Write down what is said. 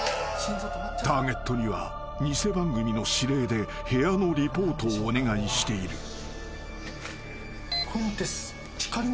［ターゲットには偽番組の指令で部屋のリポートをお願いしている］